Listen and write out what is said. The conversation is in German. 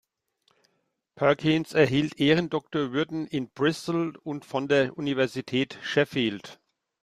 Perkins erhielt Ehrendoktorwürden in Bristol und von der Universität Sheffield.